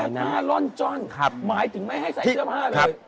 หน้าร่อนจ้อนหมายถึงไม่ให้ใส่เสื้อผ้าเลย